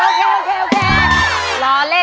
ร้อนเล่นเอาไปหมดเลย